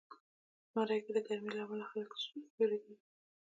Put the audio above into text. زمری کې د ګرمۍ له امله خلک سیوري ته ځي.